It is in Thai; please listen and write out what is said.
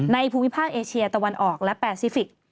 ภูมิภาคเอเชียตะวันออกและแปซิฟิกส